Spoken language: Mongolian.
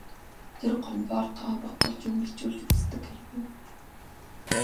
Тэр Гомбоор тоо бодуулж, юм бичүүлж үздэг хэрэг үү.